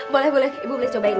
boleh boleh ibu boleh cobain